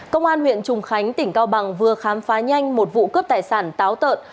công an huyện trùng khánh tỉnh cao bằng vừa khám phá nhanh một vụ cướp tài sản táo tợn